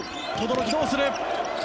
轟、どうする。